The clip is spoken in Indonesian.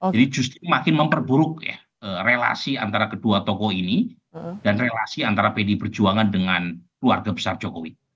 justru makin memperburuk ya relasi antara kedua tokoh ini dan relasi antara pdi perjuangan dengan keluarga besar jokowi